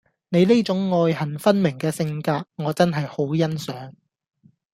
你呢種愛恨分明嘅性格我真係好欣賞